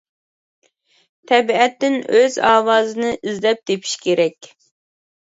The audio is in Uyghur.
تەبىئەتتىن ئۆز ئاۋازىنى ئىزدەپ تېپىشى كېرەك.